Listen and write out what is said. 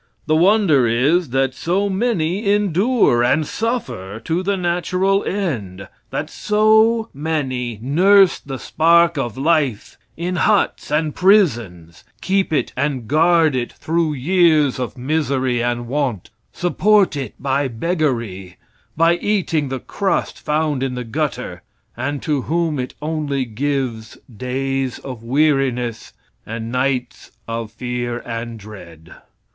The wonder is that so many endure and suffer to the natural end, that so many nurse the spark of life in huts and prisons, keep it and guard it through years of misery and want; support it by beggary; by eating the crust found in the gutter, and to whom it only gives days of weariness and nights of fear and dread.